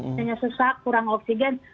misalnya susah kurang oksigen